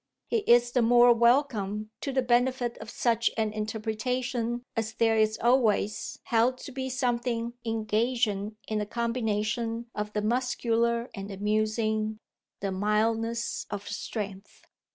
He is the more welcome to the benefit of such an interpretation as there is always held to be something engaging in the combination of the muscular and the musing, the mildness of strength.